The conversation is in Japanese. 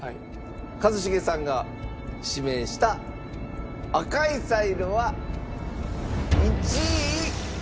一茂さんが指名した赤いサイロは１位。